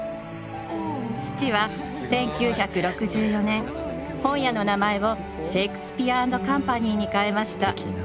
父は１９６４年本屋の名前をシェイクスピア・アンド・カンパニーに変えました。